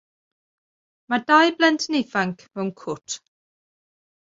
Mae dau blentyn ifanc mewn cwt.